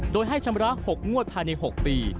โดยให้ชำระ๖งวดภายใน๖ปี